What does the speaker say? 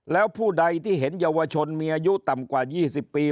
แล้วผู้ใดที่เห็นเยาวชนมีอายุต่ำกว่า๒๐ปี